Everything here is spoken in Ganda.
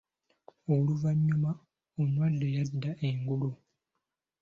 Oluvanyuma omulwadde yadda engulu.